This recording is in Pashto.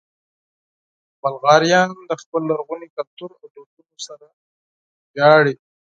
بلغاریان د خپل لرغوني کلتور او دودونو سره ویاړي.